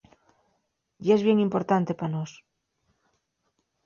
Yes bien importante pa nós.